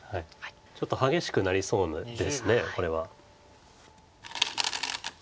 ちょっと激しくなりそうですこれは。